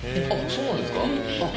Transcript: そうなんですか。